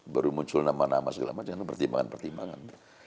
baru muncul nama nama segala macam itu pertimbangan pertimbangan